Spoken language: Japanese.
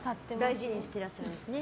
大事にしてらっしゃるんですね